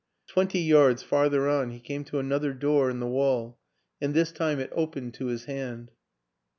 Twenty yards farther on he came to another door in the wall and this time it opened to his hand.